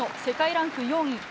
世界ランク４位